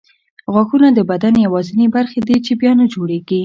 غاښونه د بدن یوازیني برخې دي چې بیا نه جوړېږي.